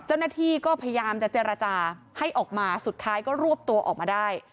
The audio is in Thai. เจ้าหน้าที่ก็พยายามจะเจรจาให้ออกมาสุดท้ายก็รวบตัวออกมาได้